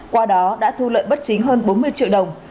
qua đó đã thu lợi bất chính hơn bốn mươi triệu đồng